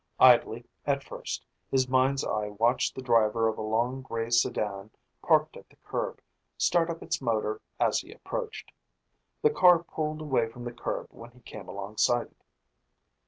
Idly, at first, his mind's eye watched the driver of a long gray sedan, parked at the curb, start up its motor as he approached. The car pulled away from the curb when he came alongside it.